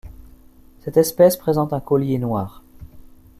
Cette espèce présente un collier noir.